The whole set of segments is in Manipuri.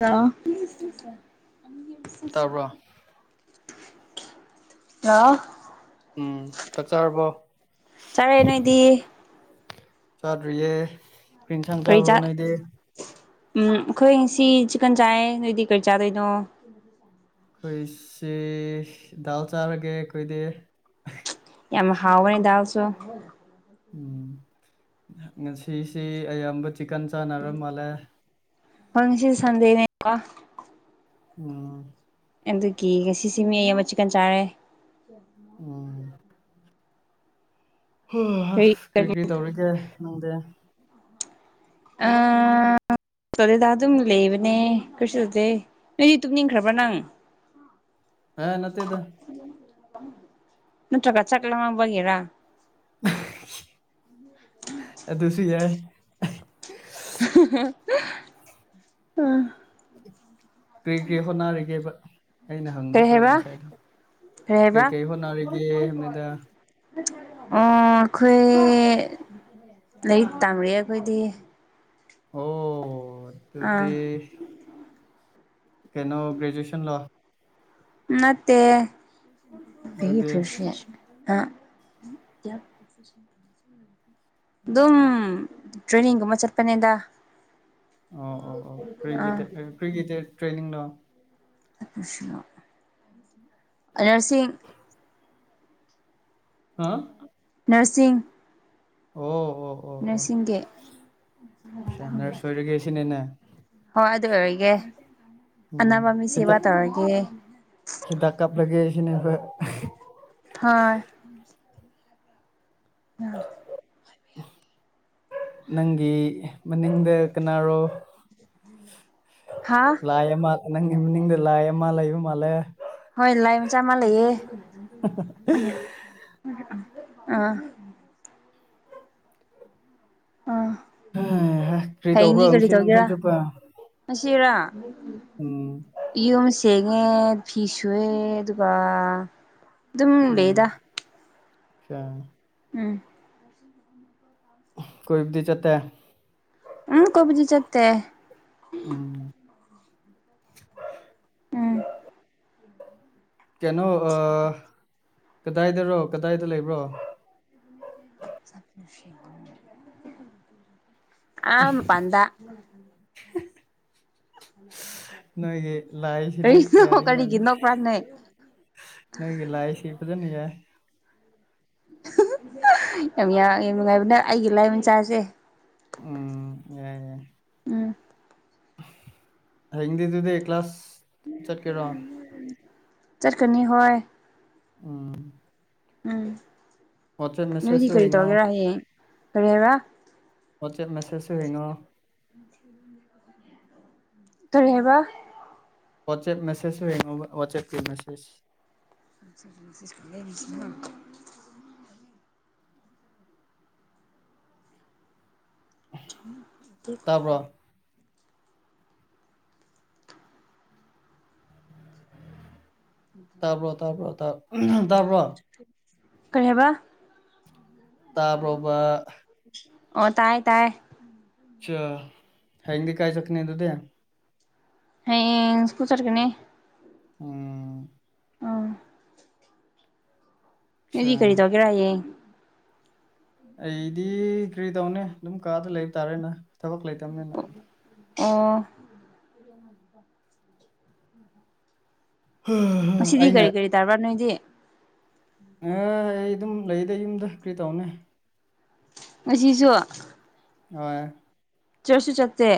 ꯑ ꯇꯥꯕ꯭ꯔꯣ ꯑ ꯎꯝ ꯆꯠꯆꯔꯕꯣ ꯆꯥꯔꯦ ꯅꯣꯏꯗꯤ ꯆꯥꯗ꯭ꯔꯤꯌꯦ ꯀꯔꯤ ꯏꯟꯁꯥꯡ ꯆꯥꯕ꯭ꯔꯣ ꯄꯔꯤꯆꯥꯥ ꯅꯣꯏꯗꯤ ꯎꯝ ꯑꯩꯈꯣꯏ ꯁꯤ ꯆꯤꯛꯀꯟ ꯆꯥꯏ ꯅꯣꯏꯗꯤ ꯀꯔꯤ ꯆꯥꯗꯣꯏꯅꯣ ꯑꯩꯈꯣꯏ ꯁꯤ ꯗꯥꯜ ꯆꯥꯔꯒꯦ ꯑꯩꯈꯣꯏꯗꯤ ꯌꯥꯝ ꯍꯥꯎꯅꯤꯗꯥꯥꯎꯁꯨꯣ ꯎꯝ ꯉꯁꯤꯁꯤ ꯑꯌꯥꯝꯕ ꯆꯤꯛꯀꯟ ꯆꯥꯟꯅꯔ ꯃꯥꯜꯂꯦ ꯍꯁꯤ ꯁꯗꯦꯅꯦ ꯋꯥ ꯎꯝ ꯑꯗꯨꯒꯤ ꯉꯁꯤꯁꯤ ꯃꯤ ꯑꯩ ꯑꯃ ꯆꯤꯛꯀꯟ ꯆꯥꯔꯦ ꯑꯣ ꯍꯣꯏ ꯍꯣꯏ ꯍꯁ ꯀꯔꯤ ꯀꯔꯤ ꯇꯧꯔꯤꯒꯦ ꯅꯨꯡꯗꯤ ꯑ ꯆꯂꯦꯗ ꯑꯗꯨꯝ ꯂꯩꯕꯅꯦ ꯀꯩꯁꯨꯗꯦ ꯅꯣꯏꯗꯤ ꯇꯨꯝꯅꯤꯡꯈ꯭ꯔꯕ꯭ꯔꯥ ꯅꯪ ꯑ ꯍꯥꯏ ꯅꯠꯇꯦꯗ ꯅꯠꯇ꯭ꯔꯒ ꯆꯥꯛ ꯂꯥꯝꯃꯕꯒꯤꯔ ꯑꯗꯨꯁꯨ ꯌꯥꯏ ꯑꯨꯝ ꯀꯔꯤ ꯀꯔꯤ ꯍꯣꯠꯅꯔꯤꯒꯦꯕ ꯑꯩꯅ ꯍꯪꯕꯁꯣꯔꯦ ꯉꯁꯥꯏꯗꯣ ꯀꯩꯔꯤ ꯍꯥꯏꯕ ꯀꯩꯀꯩ ꯍꯣꯠꯅꯔꯤꯒꯦ ꯍꯥꯏꯕꯅꯤꯗ ꯑꯣ ꯑꯩꯈꯣꯏ ꯂꯥꯏꯔꯤꯛ ꯇꯝ ꯑꯩꯈꯣꯏꯗꯤ ꯑꯣ ꯑꯥ ꯑꯗꯨꯗꯤ ꯀꯩꯅꯣ ꯒ꯭ꯔꯦꯖꯨꯌꯦꯁꯟ ꯂꯣ ꯅꯠꯇꯦ ꯀ ꯑꯗꯨꯗꯤ ꯐꯁꯤ ꯑꯥ ꯑꯗꯨꯝ ꯇ꯭ꯔꯦꯅꯤꯡꯒꯨꯝꯕ ꯆꯠꯄꯅꯦꯗ ꯑꯣ ꯑꯣ ꯑꯣ ꯀ꯭ꯔꯤꯒꯤ ꯑꯥ ꯀ꯭ꯔꯤꯒꯤꯇ ꯇ꯭ꯔꯦꯅꯤꯡꯅꯣ ꯅꯔꯁꯤꯡ ꯍꯥ ꯅꯔꯁꯤꯡ ꯑꯣ ꯅꯔꯁꯤꯒꯤ ꯁꯅꯔ ꯁꯣꯏꯔꯒꯁꯤꯅꯤꯅꯦ ꯀꯥꯏꯗ ꯑꯣꯏꯔꯒꯦ ꯑꯅꯕ ꯎꯝ ꯃꯤ ꯁꯦꯕꯥ ꯍꯤꯗꯥꯛ ꯇꯧꯔꯒꯦ ꯑꯗꯨꯅꯕ ꯍꯣꯏ ꯑꯥ ꯅꯪꯒꯤ ꯃꯅꯤꯡꯗ ꯀꯅꯥꯔꯣ ꯍꯥ ꯂꯥꯏ ꯑꯃ ꯅꯪꯒꯤ ꯃꯅꯤꯡꯗ ꯂꯥꯏ ꯑꯃ ꯂꯩꯕ ꯃꯥꯜꯂꯦ ꯍꯣꯏ ꯂꯥꯏ ꯃꯆꯥ ꯑꯃ ꯂꯩꯌꯦ ꯍꯁ ꯑꯥ ꯑꯥ ꯍꯌ ꯀꯔꯤ ꯇꯧꯕ꯭ꯔꯣ ꯍꯌꯦꯡꯗꯤ ꯀꯔꯤ ꯉꯁꯤ ꯇꯧꯒꯦꯔꯥ ꯅꯨꯡꯊꯤꯟ ꯆꯨꯞꯄ ꯉꯁꯤꯔꯥ ꯎꯝ ꯌꯨꯝ ꯁꯦꯡꯏ ꯪꯉꯦ ꯐꯤ ꯁꯨꯑꯦ ꯑꯗꯨꯒ ꯑꯗꯨꯝ ꯂꯩꯕꯗ ꯑꯆꯥ ꯎꯝ ꯀꯣꯏꯕꯗꯤ ꯆꯠꯇꯦ ꯎꯝ ꯀꯣꯕꯗꯤ ꯆꯠꯇꯦ ꯎꯝ ꯎꯝ ꯀꯩꯅꯣ ꯀꯗꯥꯏꯗꯔꯣ ꯀꯗꯥꯏꯗ ꯂꯩꯕ꯭ꯔꯣ ꯁꯅꯦꯛ ꯑꯥ ꯃꯄꯥꯟꯗ ꯅꯣꯏꯒꯤ ꯂꯥꯏꯁꯤꯗꯤ ꯀꯔꯤꯅꯣ ꯌꯥꯔꯦ ꯌꯥꯔꯦ ꯀꯔꯤꯒꯤ ꯅꯣꯛꯄ꯭ꯔꯥ ꯅꯣꯏ ꯅꯪꯒꯤ ꯂꯥꯏꯁꯤ ꯐꯖꯅ ꯌꯥꯏ ꯌꯥꯝ ꯌꯥꯝ ꯅꯨꯡꯉꯥꯏꯕꯅꯦ ꯑꯩꯒꯤ ꯂꯥꯏ ꯃꯆꯥꯁꯦ ꯎꯝ ꯌꯥꯏ ꯌꯥꯏ ꯎꯝ ꯍꯌꯦꯡꯗꯤ ꯑꯗꯨꯗꯤ ꯀ꯭ꯂꯥꯁ ꯆꯠꯀꯦꯔꯣ ꯆꯠꯀꯅꯤ ꯍꯣꯏ ꯎꯝ ꯎꯝ ꯋꯥꯆꯦꯞ ꯅꯣꯏꯗꯤ ꯃꯦꯁꯦꯖꯁꯨ ꯀꯔꯤ ꯌꯦꯡꯉꯣ ꯇꯧꯒꯦꯔꯥ ꯍꯌꯦꯡ ꯀꯔꯤ ꯍꯥꯏꯔꯥ ꯋꯥꯠꯁꯑꯞ ꯃꯦꯁꯦꯖꯦ ꯑꯣꯏꯉꯣ ꯇꯔꯦꯕ ꯋꯥꯠꯁꯑꯞ ꯃꯦꯁꯦꯖ ꯍꯌꯦꯣ ꯋꯥꯠꯁꯑꯞꯀꯤ ꯃꯦꯁꯦꯖ ꯃꯁꯤ ꯇꯥꯕ꯭ꯔꯣ [unintelligible] ꯇꯄ ꯇꯄ ꯇꯄ ꯀꯔꯤ ꯍꯥꯏꯕ ꯇꯥꯕ꯭ꯔꯣꯕ ꯑꯣ ꯇꯥꯏ ꯇꯥꯏ ꯑꯆꯥ ꯍꯗꯤ ꯀꯥꯏ ꯆꯛꯅꯤ ꯇꯨꯗ ꯍ ꯀꯨꯠꯇꯔꯀꯅꯦ ꯎꯝ ꯑꯆꯥ ꯅꯗꯤ ꯀꯔꯤꯗꯧ ꯀꯔꯑꯌꯦ ꯑꯩꯗꯤ ꯀꯔꯤ ꯇꯧꯅꯤ ꯑꯗꯨꯝ ꯀꯥꯗ ꯂꯩꯕ ꯇꯥꯔꯦꯅ ꯊꯕꯛ ꯂꯩꯇꯕꯅꯤꯅ ꯑꯣ ꯃꯁꯤꯗꯤ ꯀꯔꯤ ꯀꯔꯤ ꯗꯔꯕꯥꯔ ꯅꯣꯏꯗꯤ ꯑꯦ ꯑꯩ ꯑꯗꯨꯝ ꯂꯩꯗ ꯌꯨꯝꯗ ꯀꯔꯤ ꯇꯧꯅꯦ ꯉꯁꯨ ꯍꯣꯏ ꯆꯔꯠꯁꯨ ꯆꯠꯠꯇꯦ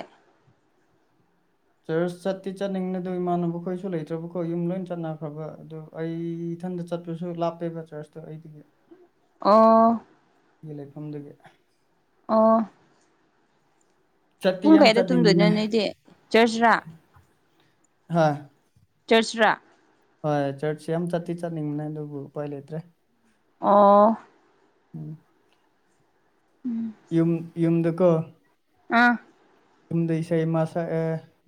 ꯆꯔꯆ ꯆꯠꯇꯤ ꯆꯠꯅꯤꯡꯅꯤ ꯑꯗꯨ ꯏꯃꯥꯟꯅꯕ ꯈꯣꯏꯁꯨ ꯂꯩꯇ꯭ꯔꯕꯈꯣꯏ ꯌꯨꯝ ꯂꯣꯏ ꯆꯠꯅꯈ꯭ꯔꯕ ꯑꯗꯨ ꯑꯩ ꯏꯊꯟꯗ ꯆꯠꯄꯁꯨ ꯂꯥꯞꯄꯦꯕ ꯆꯔꯁꯇꯣ ꯑꯩꯗꯒꯤ ꯑ ꯒꯤ ꯂꯩꯐꯝꯗꯨꯒꯤ ꯑꯣ ꯆꯠꯇꯤ ꯄꯨꯡ ꯌꯥꯝ ꯀꯌꯥꯗ ꯆꯠꯅꯤꯡꯅꯦ ꯇꯨꯝꯗꯣꯏꯅꯣ ꯅꯣꯏꯗꯤ ꯆꯔꯆꯔꯥ ꯍꯣꯏ ꯆꯔꯆꯔꯥ ꯍꯣꯏ ꯆꯠꯁꯤ ꯌꯥꯝ ꯆꯠꯠꯇꯤ ꯆꯠꯅꯤꯡꯕꯅꯦ ꯑꯗꯨꯕꯨ ꯎꯄꯥꯏ ꯂꯩꯇ꯭ꯔꯦ ꯑꯥ ꯎꯝ ꯌ ꯌꯗ ꯀ ꯑꯥ ꯌꯨꯝꯗ ꯏꯁꯩ ꯑꯃꯥ ꯁꯛꯑꯦ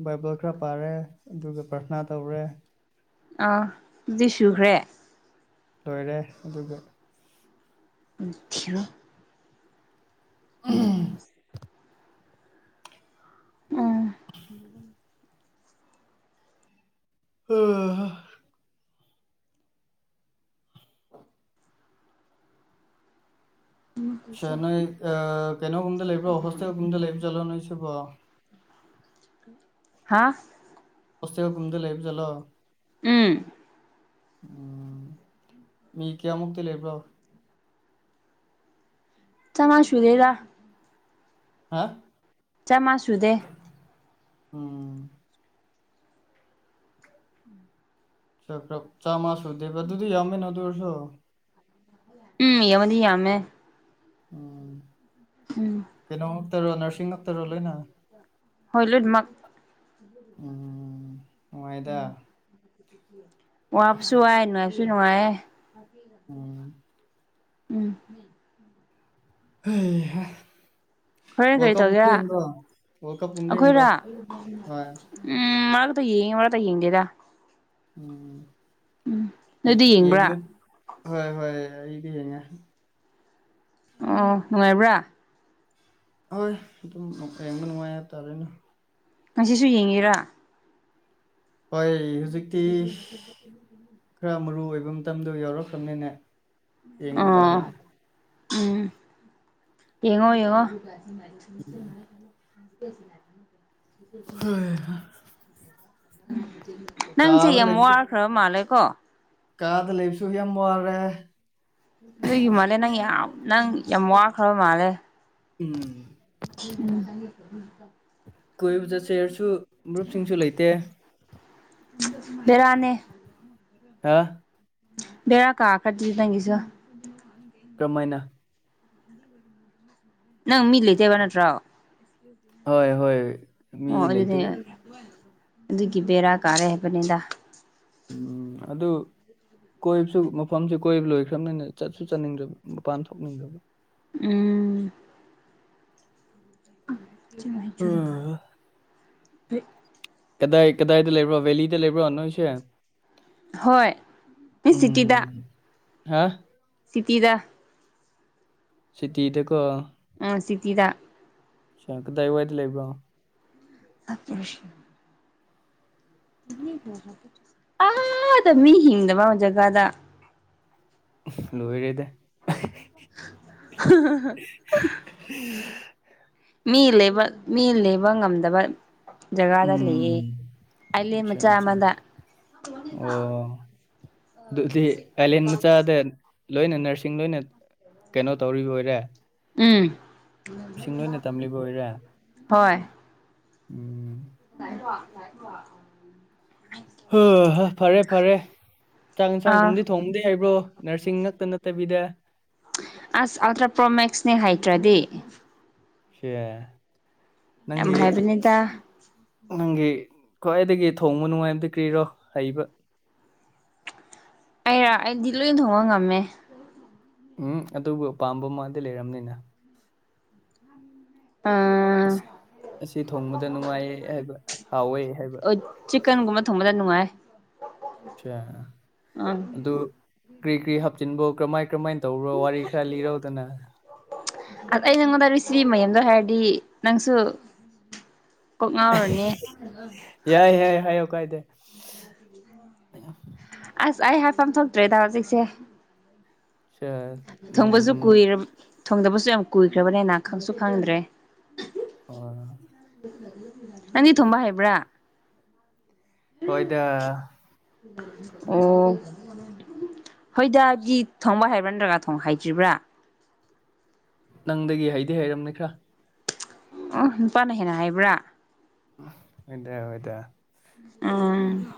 ꯕꯥꯏꯕꯜ ꯈꯔ ꯄꯥꯔꯦ ꯑꯗꯨꯒ ꯄ꯭ꯔꯊꯅꯥ ꯇꯧꯔꯦ ꯑꯥ ꯗꯤꯗꯤ ꯁꯨꯈ꯭ꯔꯦ ꯂꯣꯏꯔꯦ ꯑꯗꯨꯒ ꯑꯆꯥ ꯍꯁ ꯎꯝ ꯑ ꯆꯟꯅ ꯑ ꯀꯩꯅꯣ ꯀꯨꯨꯝꯗ ꯂ ꯂꯩꯕ꯭ꯔ ꯑꯣꯍꯁ ꯀꯨꯨꯝꯗ ꯂ ꯆꯂꯅꯁꯤ ꯣ ꯍꯥꯥ ꯀꯣꯁꯇꯕ ꯀꯨꯝꯗ ꯂꯩꯕꯖꯂꯣ ꯎꯝ ꯎꯝ ꯃꯤ ꯀꯌꯥꯃꯨꯛꯇꯤ ꯂꯩꯕ꯭ꯔꯣ ꯆꯃ ꯁꯨꯗꯦꯗ ꯍꯥ ꯆꯥꯃꯉ ꯁꯨꯗꯦ ꯑꯝ ꯆꯀ꯭ꯔ ꯆꯥ ꯃꯥ ꯁꯗꯤ ꯑ ꯑꯗꯨꯗꯤ ꯌꯥꯃꯦ ꯅꯗꯧꯔꯁꯣ ꯎꯝ ꯌꯃꯗꯤ ꯌꯥꯃꯦ ꯎꯝ ꯀꯩꯅꯣꯃꯛꯇꯔꯣ ꯅꯔꯁꯤꯡ ꯉꯛꯇꯔꯣ ꯂꯣꯏꯅ ꯍꯣꯏꯂꯣꯏ ꯑꯗꯨꯃ ꯎꯝ ꯃꯅꯨꯡꯣꯏꯥꯏꯗ ꯋꯥꯞꯁꯨ ꯍꯥꯏ ꯅꯨꯡꯉꯥꯏꯕꯁꯨ ꯅꯨꯡꯉꯥꯏ ꯎꯝ ꯎꯝ ꯑꯣꯣꯏ ꯍꯣꯏ ꯍꯣꯔꯦꯟ ꯀꯔꯤ ꯇꯧꯒꯦ ꯋꯥꯔꯜ ꯀꯞꯀꯨꯝꯕꯗꯤ ꯌꯦꯡꯕ꯭ꯔꯣ ꯑꯩꯈꯣꯏꯔ ꯍꯣꯏ ꯎꯝ ꯌꯦꯡ ꯋꯥꯗ ꯌꯦꯡꯗꯦꯗ ꯎꯝ ꯎꯝ ꯅꯣꯏꯗꯤ ꯌꯦ ꯌꯦꯡꯕ꯭ꯔꯥ ꯍꯣꯏ ꯍꯣꯏ ꯍꯒ ꯌꯥ ꯑꯣ ꯅꯨꯡꯉꯥꯏꯕ꯭ꯔꯥ ꯍꯣꯏ ꯑꯗꯨꯝ ꯀꯔꯤꯝꯕ ꯅꯨꯡꯉꯥꯏꯇꯥꯔꯣꯏꯅꯣ ꯉꯁꯤꯁꯨ ꯌꯦꯡꯉꯤꯔꯥ ꯍꯣꯏ ꯍꯧꯖꯤꯛꯇꯤ ꯈꯔ ꯃꯔꯨ ꯑꯣꯏꯣꯏꯕ ꯃꯇꯝꯗꯣ ꯌꯥꯎꯔꯛꯈ꯭ꯔꯕꯅꯤꯅꯦ ꯌꯦꯡꯕ ꯇꯥꯔꯦꯅꯦ ꯑꯣ ꯎꯝ ꯌꯦꯡꯉꯣ ꯌꯦꯉꯣ [unintelligible] ꯅꯪꯁꯦ ꯀꯥꯗ ꯌꯥꯝ ꯂꯩꯕꯁꯨ ꯋꯥꯈ꯭ꯔꯕ ꯃꯥꯜꯂꯦ ꯀꯣ ꯀꯥꯗ ꯂꯩꯕꯁꯨ ꯌꯥꯝ ꯋꯥꯔꯦ ꯅꯒꯤ ꯃꯥꯜꯂꯦ ꯅꯪ ꯌꯥꯝ ꯅꯪ ꯌꯥꯝ ꯋꯥꯈ꯭ꯔꯕ ꯃꯥꯜꯂꯦ ꯎꯝ ꯀꯣꯏꯕꯗ ꯆꯦꯌꯔꯁꯨ ꯃꯔ꯭ꯔꯨꯞꯁꯤꯡꯁꯨ ꯂꯩꯇꯦ ꯕꯤꯔꯅꯦ ꯍꯥ ꯕꯦꯔ ꯀꯥ ꯈꯗꯤ ꯇꯪꯒꯤꯁꯨ ꯃꯥꯏꯅꯥ ꯅꯪꯃꯃꯤꯠꯂꯇꯕꯅꯠꯇ꯭ꯔꯣ ꯍꯣꯏ ꯍꯣꯏ ꯃꯤ ꯑꯣ ꯑꯗꯨꯗꯤ ꯂꯩꯇꯕ ꯑꯗꯨꯒꯤ ꯕꯦꯔꯥ ꯀꯥꯔꯦ ꯍꯥꯏꯕꯅꯤꯗ ꯎꯝ ꯑꯗꯨꯗ ꯀꯣꯏꯕꯁꯨ ꯃꯐꯝꯁꯦ ꯀꯣꯏꯕ ꯂꯣꯏꯈ꯭ꯔꯕꯅꯤꯅ ꯆꯠꯁꯨ ꯆꯠꯅꯤꯡꯗꯕ ꯃꯄꯥꯟ ꯊꯣꯛꯅꯤꯡꯗꯕ ꯎꯝ ꯎꯝ [unintelligible] ꯀꯗꯥꯏ ꯀꯗꯥꯏꯗ ꯂꯩꯕ꯭ꯔꯣ ꯕꯦꯂꯤꯗ ꯂꯩꯕ꯭ꯔꯣ ꯅꯣꯏꯁꯦ ꯍꯣꯏ ꯁꯤꯇꯤꯗꯥꯛ ꯎꯝ ꯍꯥ ꯁꯤꯇꯤꯗ ꯁꯤꯇꯤꯗ ꯀꯣ ꯎꯝ ꯁꯤꯇꯤꯗ ꯀꯗꯥꯏ ꯋꯥꯏꯗꯤ ꯂꯩꯕ꯭ꯔꯣ ꯁꯀꯤ ꯁ ꯑꯗ ꯃꯤ ꯍꯗꯕ ꯖꯒꯥꯗ ꯂꯣꯏꯔꯦꯗ [unintelligible] ꯃꯤ ꯂꯩꯕ ꯃꯤ ꯂꯩꯕ ꯉꯝꯗꯕ ꯖꯒꯥ ꯎꯝ ꯂꯩ ꯑꯜꯂꯤ ꯑꯆꯥ ꯃꯆꯥ ꯑꯆꯥ ꯃꯗ ꯑꯣ ꯑꯗꯨꯗꯤ ꯑꯥꯏꯂꯦꯟ ꯃꯆꯥꯗ ꯂꯣꯏꯅ ꯅꯔꯁꯤꯡ ꯂꯣꯏꯅ ꯀꯩꯅꯣ ꯇꯧꯔꯤꯕ ꯑꯣꯏꯔꯦ ꯎꯝ ꯃꯁꯤꯡꯁꯤꯡ ꯂꯣꯏꯅ ꯇꯝꯂꯤꯕ ꯑꯣꯏꯔꯦ ꯍꯣꯏ ꯎꯝ [inaudible] ꯍ ꯍ ꯐꯔꯦ ꯐꯔꯦ ꯆꯥꯛ ꯑꯥ ꯌꯦꯟꯁꯥꯡꯒꯨꯝꯗꯤ ꯊꯣꯡꯗꯦ ꯍꯥꯏꯕ꯭ꯔꯣ ꯅꯔꯁꯤꯡ ꯉꯛꯇ ꯅꯠꯇꯕꯤꯗ ꯑꯁ ꯑꯜꯇ꯭ꯔꯥꯄ꯭ꯔꯣ ꯃꯦꯛꯁꯅꯦ ꯍꯥꯏꯇ꯭ꯔꯗꯤ ꯄꯦ ꯌꯥꯝ ꯍꯥꯏꯥꯏꯕꯅꯦꯗ ꯅꯪꯒꯤ ꯈ꯭ꯋꯥꯏꯗꯒꯤ ꯊꯣꯡꯕ ꯅꯨꯡꯉꯥꯏꯕꯗꯤ ꯀ꯭ꯔꯤꯔꯣ ꯍꯩꯕ ꯑꯩꯔꯥ ꯑꯩꯗꯤ ꯂꯣꯏ ꯊꯣꯡꯕ ꯉꯝꯃꯦ ꯎꯝ ꯑꯗꯨꯕꯨ ꯑꯄꯥꯥꯝꯕ ꯃꯥꯗꯤ ꯂꯩꯔꯕꯝꯅꯤꯅ ꯑꯁ ꯑ ꯑꯁꯤ ꯊꯣꯡꯕꯗ ꯅꯨꯡꯉꯥꯏꯌꯦ ꯍꯥꯏꯕ ꯍꯥꯎꯋꯦ ꯍꯥꯏꯕ ꯑꯣ ꯆꯤꯛꯟꯒꯨꯝꯃ ꯊꯣꯡꯕ ꯊꯅꯅꯨꯡ ꯑꯆꯥ ꯑꯗꯨ ꯀꯔꯤ ꯀ꯭ꯔꯤ ꯍꯥꯞꯆꯤꯟꯕꯣ ꯀꯔꯝꯃꯥꯏ ꯀꯔꯝꯃꯥꯏꯅ ꯇꯔꯣ ꯋꯥꯔꯤ ꯈꯔ ꯂꯤꯔꯧꯗꯅ ꯍꯥꯏꯦꯗꯤ ꯅꯪꯁꯨ ꯀꯣꯛ ꯉꯥꯎꯔꯅꯤ ꯌꯥꯏ ꯌꯥꯏ ꯍꯥꯏꯌꯣ ꯀꯥꯏꯗꯦ ꯑꯁ ꯑꯩ ꯍꯥꯏꯐꯝ ꯊꯣꯛꯇ꯭ꯔꯦꯗ ꯍꯧꯖꯤꯛꯁꯦ ꯎꯝ ꯊꯣꯡꯕꯁꯨꯏ ꯊꯣꯡꯗꯕꯁꯨ ꯌꯥꯝ ꯀꯨꯏꯈ꯭ꯔꯕꯅꯤꯅ ꯈꯪꯁꯨ ꯈꯪꯗ꯭ꯔꯦ ꯅꯪꯒꯤ ꯊꯣꯝꯕ ꯍꯥꯏꯕ꯭ꯔꯥ ꯍꯣꯏꯗ ꯑꯣ ꯍꯣꯏꯗꯕꯤ ꯊꯣꯡꯕ ꯍꯥꯏꯕ꯭ꯔꯥ ꯅꯠꯇ꯭ꯔꯒ ꯊꯣꯡ ꯍꯥꯏꯗ꯭ꯔꯤꯕ꯭ꯔꯥ ꯅꯪꯗꯒꯤ ꯍꯩꯗꯤ ꯍꯩꯔꯝꯅꯤ ꯈꯔ ꯎ ꯅꯨꯄꯥꯅ ꯍꯦꯟꯅ ꯍꯥꯏꯕ꯭ꯔꯥ ꯍꯗ ꯍꯗ ꯎꯝ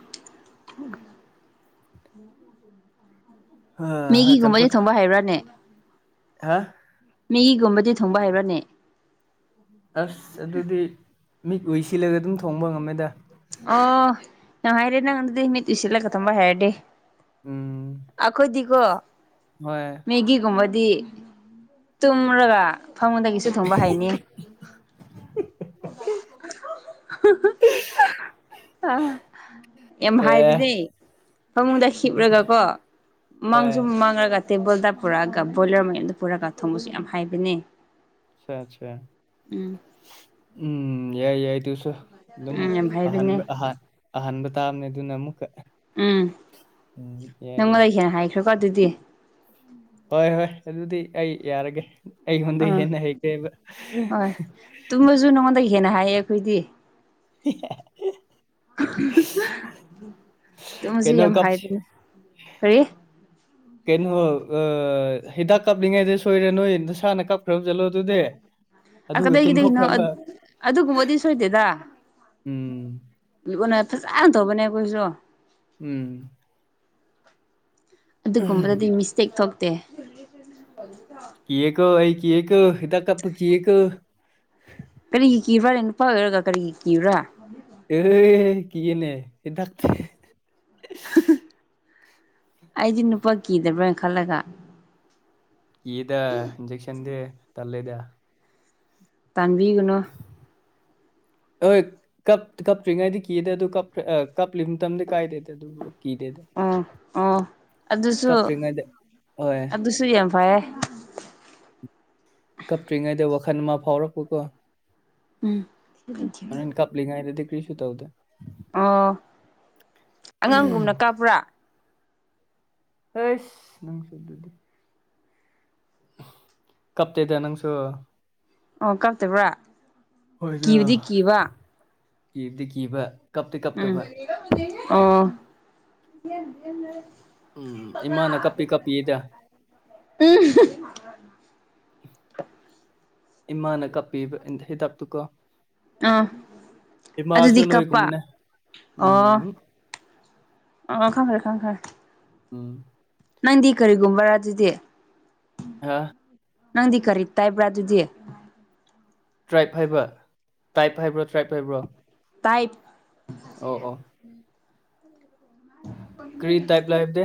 ꯃꯦꯒꯤꯒꯨꯝꯕꯁꯦ ꯆꯝꯐꯨꯠ ꯊꯣꯡꯕ ꯍꯩꯕ꯭ꯔꯥꯅꯦ ꯍꯥ ꯃꯤꯒꯨꯝꯕꯗꯤ ꯊꯨꯡꯕ ꯍꯩꯕ꯭ꯔꯥꯅꯦ ꯑꯁ ꯑꯗꯨꯗꯤ ꯃꯤꯠ ꯎꯁꯤꯜꯂꯒ ꯑꯗꯨꯝ ꯊꯣꯡꯕ ꯉꯝꯃꯦꯗ ꯑꯣ ꯅ ꯍꯥꯏꯔꯦ ꯅꯪ ꯑꯗꯨꯗꯤ ꯃꯤꯠꯇꯨꯁꯤꯠꯂꯒꯗꯪꯕ ꯍꯥꯏꯔꯗꯤ ꯎꯝ ꯑꯩꯈꯣꯏꯗꯤꯀꯣ ꯍꯣꯏ ꯃꯦꯒꯤꯒꯨꯝꯕꯗꯤ ꯗꯤ ꯇꯨꯝꯃ꯭ꯔꯒ ꯃ ꯐꯉꯣꯟꯗꯒꯤꯁꯨ ꯊꯣꯡꯕ ꯍꯥꯏꯅꯤ ꯑ ꯌꯥꯝ ꯑꯦ ꯍꯥꯏꯕꯗꯤ ꯐꯃꯨꯡꯗ ꯍꯤꯞꯂꯒꯀꯣ ꯍꯣꯏ ꯃꯥꯡꯁꯨꯨꯝ ꯃꯥꯡꯂꯒ ꯇꯦꯕꯜꯗ ꯄꯨꯔꯛꯑꯒ ꯕꯣꯏꯂꯔ ꯃꯌꯥꯝꯗ ꯄꯨꯔꯒ ꯊꯣꯡꯕꯁꯨ ꯌꯥꯝ ꯍꯥꯏꯕꯅꯦ ꯑꯆꯥ ꯎꯝ ꯎꯝ ꯌꯥꯏ ꯌꯥꯏꯁ ꯑꯗꯨꯝ ꯎꯝ ꯌꯥꯝ ꯍꯥꯏꯕꯅꯦ ꯑꯍꯟꯍ ꯑꯍꯥꯟꯕ ꯇꯥꯕꯅꯦ ꯑꯗꯨꯅ ꯑꯃꯨꯛꯀ ꯎꯝ ꯎꯝ ꯌꯥꯏ ꯌꯥꯏ ꯅꯪꯉꯣꯟꯗ ꯍꯦꯅ ꯍꯥꯏꯈ꯭ꯔꯦꯀꯣ ꯑꯗꯨꯗꯤ ꯍꯣꯏ ꯍꯣꯏ ꯑꯗꯨꯗꯤ ꯑꯩ ꯌꯥꯔꯒꯦ ꯑꯩꯉꯣꯟꯗ ꯑꯥ ꯍꯦꯟꯅ ꯍꯩꯈ꯭ꯔꯦꯕ ꯍꯣꯏ ꯇꯨꯝꯃꯁꯨ ꯅꯉꯣꯟꯗꯒꯤ ꯍꯦꯟꯅ ꯍꯥꯏꯌꯦ ꯑꯩꯈꯣꯏꯗꯤ ꯍꯦꯍꯥ ꯍꯥ ꯑꯗꯨꯃꯁꯨ ꯀꯩꯅꯣ ꯌꯥꯝ ꯀꯞꯁꯤ ꯍꯥꯏꯕꯅꯤ ꯀꯔꯤ ꯀꯩꯅꯣ ꯍꯤꯗꯥꯛ ꯀꯥꯞꯅꯤꯡꯉꯥꯏꯗ ꯁꯣꯏꯔꯦ ꯅꯣꯏ ꯅꯁꯥꯅ ꯀꯥꯞꯈ꯭ꯔꯕ ꯆꯠꯂꯣ ꯑꯗꯨꯗ ꯑꯗꯨꯒ ꯀꯗꯥꯏꯒꯤꯗꯒꯤꯅꯣ ꯇꯨꯝꯊꯣꯛꯈ꯭ꯔꯕ ꯑꯗꯨꯒꯨꯝꯕꯗꯤ ꯎꯝ ꯣꯟꯅ ꯐꯖꯅ ꯇꯧꯕꯅꯦ ꯑꯩꯈꯣꯏꯁꯨ ꯎꯝ ꯑꯗꯨꯒꯨꯝꯕꯗꯗꯤ ꯃꯤꯁꯇꯦꯛ ꯊꯣꯛꯇꯦ ꯀ ꯀꯣ ꯑꯩ ꯀ ꯀꯣ ꯏꯗ ꯀ ꯀꯔꯤꯒꯤ ꯀꯕ꯭ꯔꯥ ꯅꯨꯄꯥ ꯑꯣꯏꯔꯒ ꯀꯔꯤꯒꯤ ꯀꯕ꯭ꯔꯥ ꯑꯦ ꯀ ꯀꯅꯦ ꯍ ꯊꯥꯛ ꯑꯩꯗꯤ ꯅꯨꯄꯥ ꯀꯤꯗꯕ꯭ꯔꯅ ꯈꯜꯂꯒ ꯌꯦꯗ ꯏꯟꯖꯦꯛꯁꯟꯗꯦ ꯇꯂꯦꯗ ꯇꯥꯟꯕꯤꯒꯅꯨ ꯍꯣꯏ ꯀꯞꯇ꯭ꯔꯤꯉꯩꯗꯤ ꯀꯤꯗ ꯑꯗꯨ ꯀꯞꯂꯤ ꯃꯇꯝꯗꯤ ꯀꯥꯏꯗꯦꯗ ꯑꯗꯨꯕꯨ ꯀꯤꯗꯦꯗ ꯑꯣ ꯑꯣ ꯑꯗꯨꯁꯨ ꯀꯄꯔꯤꯗ ꯑꯣ ꯑꯗꯨꯁꯨ ꯌꯥꯝ ꯐꯩꯌꯦ ꯀꯞꯇ꯭ꯔꯤꯉꯩꯗ ꯋꯥꯈꯜ ꯑꯃ ꯐꯥꯎꯔꯛꯄꯀꯣ ꯎꯝ ꯄꯁꯦ ꯇꯧꯦ ꯑꯣ ꯑꯉꯥꯡꯒꯨꯝꯅ ꯀꯥꯄ꯭ꯔꯥ ꯍꯁ ꯅꯪꯁꯨꯣꯏ ꯑꯗꯨꯗꯤ ꯀꯞꯇꯗ ꯅꯪꯁꯨ ꯑꯣ ꯀꯛꯇꯕ꯭ꯔꯥ ꯀꯤꯕꯗꯤ ꯀꯤꯕ ꯏꯕꯗꯤ ꯀꯕ ꯎꯝ ꯎꯝ ꯏꯃꯥꯅ ꯀꯞꯄꯤ ꯀꯞꯄꯤꯗ ꯑꯣ ꯎꯝ ꯏꯃꯥꯅ ꯀꯄꯤꯕ ꯏ ꯍꯦ ꯇꯥꯛ ꯇꯨꯀꯣ ꯑꯥ ꯏꯃ ꯑꯁꯣ ꯅ ꯍꯣꯏ ꯀꯨꯝꯅꯦ ꯑꯥ ꯑ ꯈꯪꯉꯦ ꯈꯪꯉꯦ ꯑꯝ ꯅꯪꯗꯤ ꯀꯔꯤꯒꯨꯝꯕ ꯔ ꯑꯗꯨꯗꯤ ꯑꯥ ꯅꯪꯗꯤ ꯈꯔꯤ ꯇ ꯏꯕ꯭ꯔꯥ ꯑꯗꯨꯗꯤꯦ ꯇ꯭ꯔꯥꯏꯞ ꯍꯥꯏꯕ꯭ꯔ ꯇ꯭ꯔꯥꯏꯞ ꯍꯥꯏꯕ꯭ꯔꯣ ꯇ꯭ꯔꯥꯏꯞ ꯍꯥꯏꯕ꯭ꯔꯣ ꯇꯥꯏꯞ ꯑꯣ ꯑꯣ ꯀ꯭ꯔꯤ ꯇꯥꯏꯞ ꯂꯥꯏꯕ ꯗꯦ